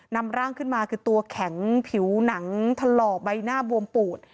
นำร่างขึ้นมาคือตัวแข็งผิวหนังถล่อใบหน้าบวมปูด